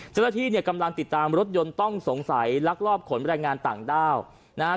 เจ้าหน้าที่เนี่ยกำลังติดตามรถยนต์ต้องสงสัยลักลอบขนแรงงานต่างด้าวนะฮะ